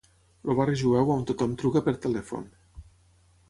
El barri jueu on tothom truca per telèfon.